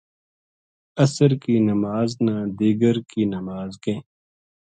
عصر کی نماز نا دیگر کی نماز کہیں۔